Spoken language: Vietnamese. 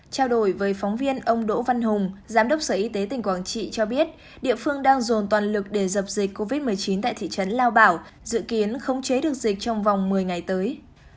trao đổi với phóng viên ông đỗ văn hùng giám đốc sở y tế tỉnh quảng trị cho biết địa phương đang dồn toàn lực để dập dịch covid một mươi chín tại thị trấn lao bảo dự kiến khống chế được dịch trong vòng một mươi ngày tới